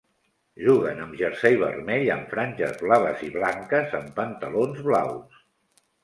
Juguen amb jersei vermell amb franges blaves i blanques amb pantalons blaus.